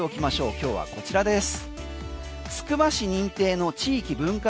今日はこちらです。